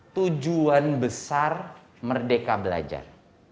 tujuan besar merdeka belajar